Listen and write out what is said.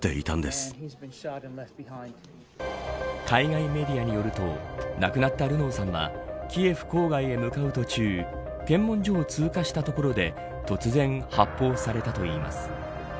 海外メディアによると亡くなったルノーさんはキエフ郊外に向かう途中検問所を通過したところで突然、発砲されたといいます。